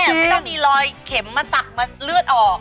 ไม่ต้องมีรอยเข็มมาสักมาเลือดออก